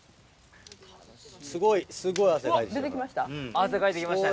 すごいすごい汗かいて来たよ。